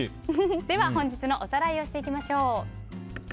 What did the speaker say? では本日のおさらいをしていきましょう。